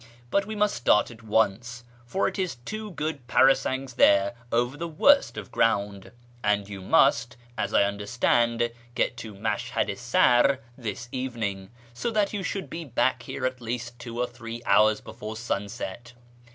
But we must start at once, for it is two good para sangs there over the worst of ground, and you must, as I understand, get to Mashhad i Sar this evening, so that you should be back here at least two or three hours before sunset.